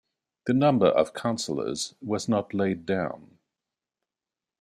The number of councillors was not laid down.